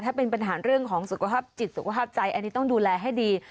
ถ้าเป็นปัญหาเรื่องของสุขภาพจิตสุขภาพใจอันนี้ต้องดูแลให้ดี